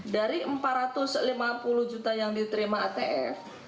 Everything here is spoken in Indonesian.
dari empat ratus lima puluh juta yang diterima atf